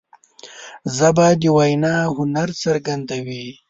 ژبه د وینا هنر څرګندوي